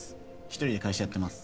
一人で会社やってます